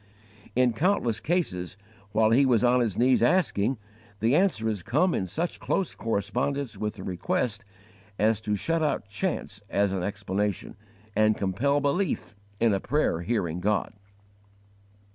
In countless cases, while he was on his knees asking, the answer has come in such close correspondence with the request as to shut out chance as an explanation, and compel belief in a prayer hearing God.